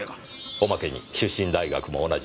おまけに出身大学も同じでした。